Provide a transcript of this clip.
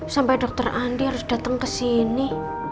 sampai dokter andi harus datang kesini